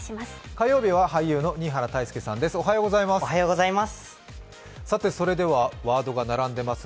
火曜日は俳優の新原泰佑さんです。